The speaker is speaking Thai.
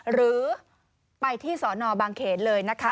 หรือไปที่สอนอบางเขนเลยนะคะ